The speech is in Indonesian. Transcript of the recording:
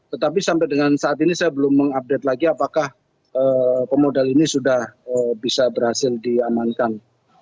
tetapi sampai dengan saat ini saya belum mengupdate lagi apakah pemodal ini sudah bisa berhasil diamankan